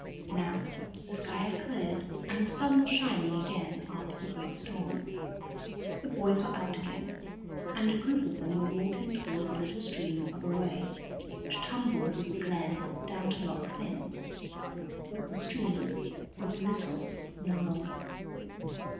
Now the sky had cleared, and the sun was shining again after the great storm. The boys were out again, and a group of them were walking toward the little stream of Aray which tumbled through the glen down to Loch Fyne. But the stream was "little" no longer.